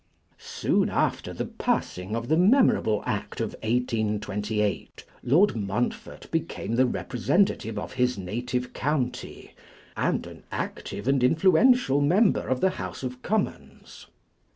Soon after the passing of the memorable Act of 1828, Lord Montfort became the representative of his native county, and an active and influential member of the House of Commons.